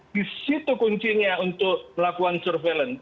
di situ kuncinya untuk melakukan surveillance